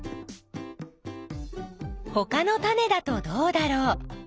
ほかのタネだとどうだろう？